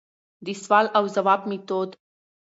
دسوال او ځواب ميتود: